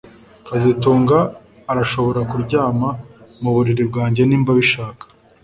kazitunga arashobora kuryama muburiri bwanjye niba abishaka